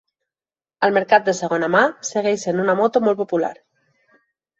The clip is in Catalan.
Al mercat de segona mà segueix sent una moto molt popular.